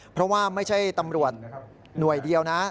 เพราะว่าไม่ใช่ตำรวจหน่วยเดียวนะ